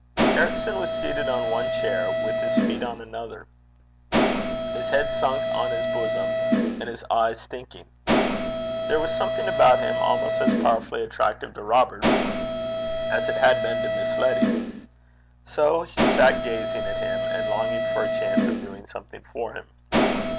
Ericson was seated on one chair, with his feet on another, his head sunk on his bosom, and his eyes thinking. There was something about him almost as powerfully attractive to Robert as it had been to Miss Letty. So he sat gazing at him, and longing for a chance of doing something for him.